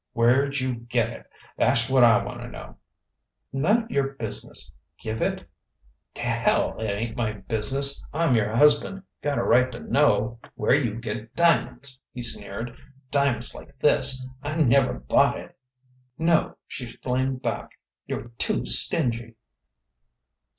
"Where'd you get it? Tha'sh what I wanna know!" "None of your business. Give it " "T' hell it ain't my business. I'm your husband gotta right to know where you get diamonds" he sneered "diamonds like this! I never bought it." "No," she flamed back; "you're too stingy!"